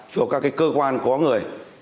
cho các cái cơ quan có người